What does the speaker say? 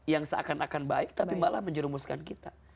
yang seakan akan baik tapi malah menjerumuskan kita